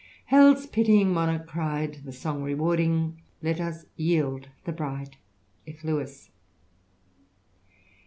Heirs pitying monarch cry*d. The song rewarding, let us yield the bride. F. Lewis.